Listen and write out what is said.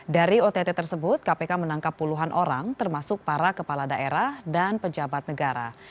dari ott tersebut kpk menangkap puluhan orang termasuk para kepala daerah dan pejabat negara